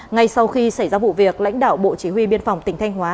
ngay sau khi xảy ra vụ việc lãnh đạo bộ chỉ huy biên phòng tỉnh thanh hóa